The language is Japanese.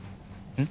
うん？